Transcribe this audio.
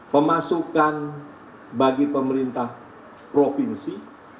pemasukan bagi pemerintah provinsi